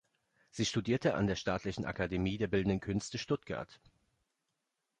Sie studierte an der Staatlichen Akademie der Bildenden Künste Stuttgart.